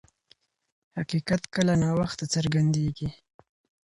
حقیقت کله ناوخته څرګندیږي.